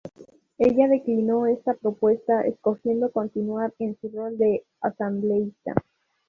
Ella declinó esta propuesta, escogiendo continuar en su rol de asambleísta.